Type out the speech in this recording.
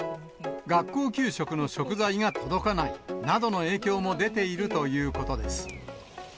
学校給食の食材が届かないなどの影響も出ているということです。